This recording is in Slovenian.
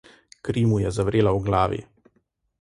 Kri mu je zavrela v glavi.